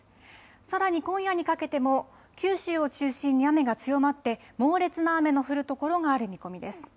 さらに今夜にかけても九州を中心に雨が強まって猛烈な雨の降る所がある見込みです。